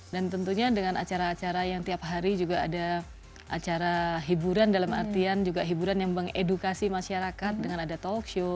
dan tentunya dengan acara acara yang tiap hari juga ada acara hiburan dalam artian juga hiburan yang mengedukasi masyarakat dengan ada talkshow